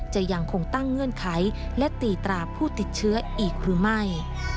จะยังคงตั้งเงื่อนไขและตีตราผู้ติดเชื้ออีกหรือไม่